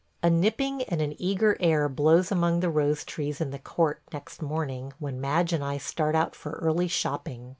... A nipping and an eager air blows among the rose trees in the court next morning when Madge and I start out for early shopping.